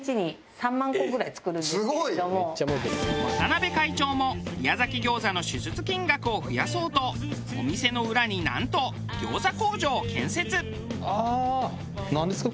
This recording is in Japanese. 渡辺会長も宮崎餃子の支出金額を増やそうとお店の裏になんと餃子工場を建設。